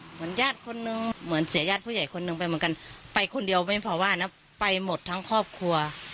เหมือนญาติคนนึงเหมือนเสียญาติผู้ใหญ่คนหนึ่งไปเหมือนกันไปคนเดียวไม่พอว่านะไปหมดทั้งครอบครัว